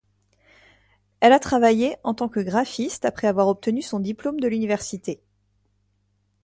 Elle a travaillé en tant que graphiste après avoir obtenu son diplôme de l'université.